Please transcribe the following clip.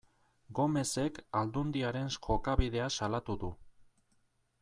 Gomezek Aldundiaren jokabidea salatu du.